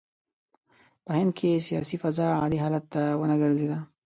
په هند کې سیاسي فضا عادي حال ته ونه ګرځېده.